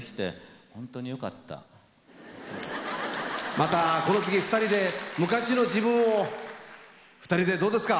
またこの次ふたりで昔の自分をふたりでどうですか？